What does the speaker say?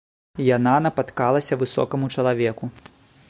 Яна напаткалася высокаму чалавеку.